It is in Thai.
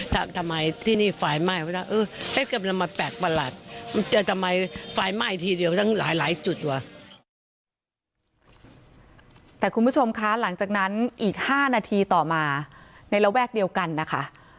แต่คุณผู้ชมคะหลังจากนั้นอีก๕นาทีต่อมาในระแวกเดียวกันนะคะ